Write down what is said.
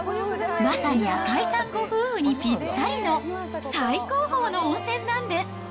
まさに赤井さんご夫婦にぴったりの、最高峰の温泉なんです。